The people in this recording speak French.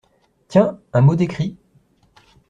Tiens ! un mot d’écrit !